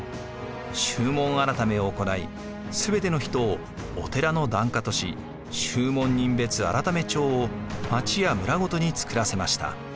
宗門改めを行い全ての人をお寺の檀家とし宗門人別改帳を町や村ごとに作らせました。